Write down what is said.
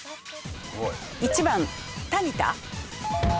１番タニタ？